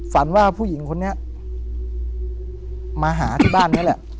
ฝันว่าผู้หญิงคนนี้มาหาที่บ้านนี้แหละ